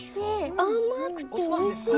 甘くておいしい。